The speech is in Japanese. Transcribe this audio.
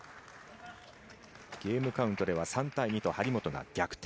ゲームカウントでは３対２と張本が逆転。